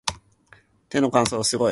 手の乾燥がすごい